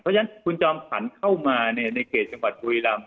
เพราะฉะนั้นคุณจอมขวัญเข้ามาในเขตจังหวัดบุรีรำ